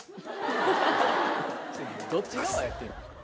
どっち側やってんの？